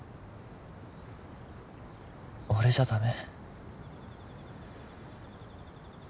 俺じゃダメ？